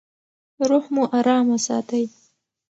روح مو ارام وساتئ.